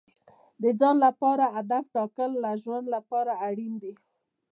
د ځان لپاره هدف ټاکل د ژوند لپاره اړین دي.